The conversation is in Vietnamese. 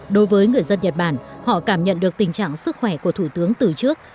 đối với người dân nhật bản họ cảm nhận được tình trạng sức khỏe của thủ tướng từ trước